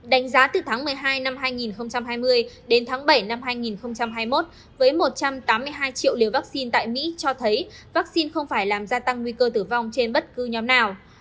đánh giá từ tháng một mươi hai năm hai nghìn hai mươi đến tháng bảy năm hai nghìn hai mươi một với một trăm tám mươi hai triệu liều vaccine tại mỹ cho thấy vaccine không phải làm gia tăng nguy cơ tử vong trên bất cứ nhóm nào